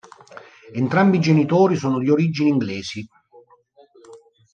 Entrambi i genitori sono di origini inglesi.